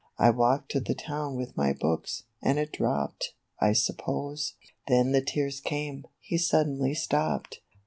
I walked to the town with my hooks, and it dropped, I suppose." Then the tears came, — he suddenly stopped.